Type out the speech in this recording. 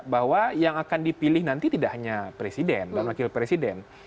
bahwa yang akan dipilih nanti tidak hanya presiden dan wakil presiden